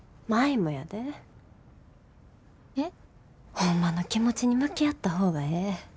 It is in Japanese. ホンマの気持ちに向き合った方がええ。